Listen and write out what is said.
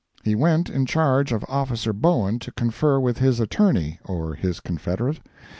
He went in charge of officer Bowen to confer with his "attorney" (or his confederate?)